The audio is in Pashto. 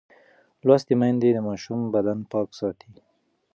لوستې میندې د ماشوم بدن پاک ساتي.